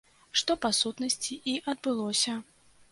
Што па сутнасці і адбылося.